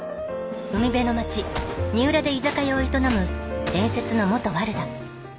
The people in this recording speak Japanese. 海辺の町二浦で居酒屋を営む伝説の元ワルだ。